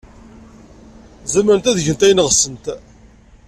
Zemrent ad gent ayen ɣsent.